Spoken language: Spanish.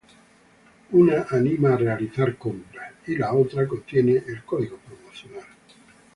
Una anima a realizar una compra y el otro contiene el código promocional.